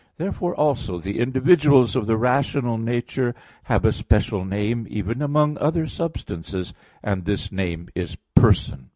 Therefore also the individuals of the rational nature have a special name even among other substances; and this name is "person."